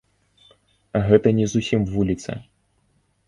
Гэта не зусім вуліца.